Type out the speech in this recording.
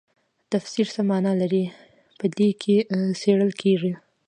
تفسیر څه مانا لري په دې کې څیړل کیږي.